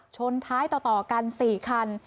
ชนท้ายต่อกัน๔คัน